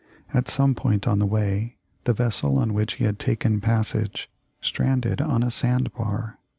At some point on the way, the vessel on which he had taken passage stranded on a sand bar.